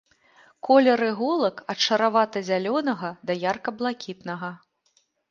Колер іголак ад шаравата-зялёнага да ярка блакітнага.